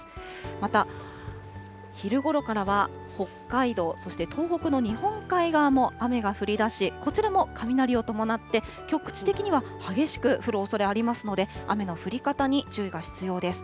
また、昼ごろからは北海道、そして東北の日本海側も雨が降りだし、こちらも雷を伴って、局地的には激しく降るおそれありますので、雨の降り方に注意が必要です。